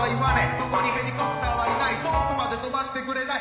ここにヘリコプターはいない遠くまで飛ばしてくれない